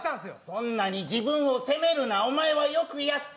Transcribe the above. そんなに自分を責めるな、お前はよくやった。